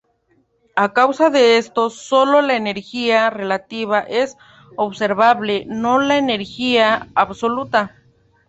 A causa de esto, sólo la energía relativa es observable, no la energía absoluta.